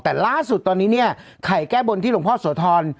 แต่ล่าสุดตอนนี้เนี่ยไข่แก้บนที่หลวงพ่อโสธร